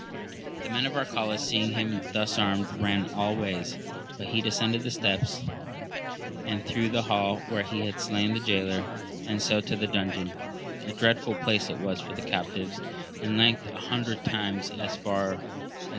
The men of Arcalaus seeing him thus armed, ran all ways ; but he descended the steps, and through the hall where he had slain the jaylor, and so to the dungeon : a dreadful place it was for the captives : in length, an hundred times as far aa a.